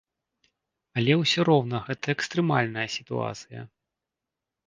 Але ўсё роўна гэта экстрэмальная сітуацыя!